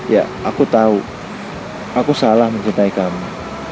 ya aku tahu aku salah mencintai kamu